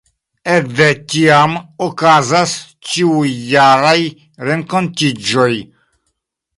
Ekde tiam okazas ĉiujaraj renkontiĝoj.